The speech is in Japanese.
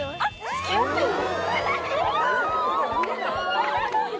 付き合ってんの？